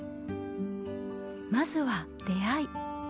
まずは出会い。